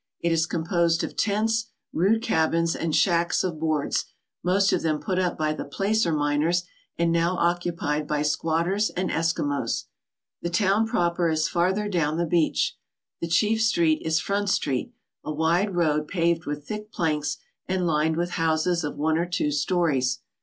It is com posed of tents, rude cabins, and shacks of boards, most of them put up by the placer miners and now occupied by squatters and Eskimos. The town proper is farther down the beach. The chief street is Front Street, a wide road paved with thick planks and lined with houses of one or two stories.